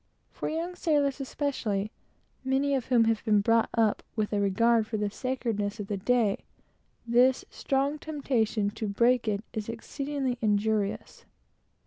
For young sailors especially, many of whom have been brought up with a regard for the sacredness of the day, this strong temptation to break it, is exceedingly injurious.